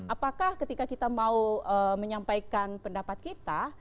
apakah ketika kita mau menyampaikan pendapat kita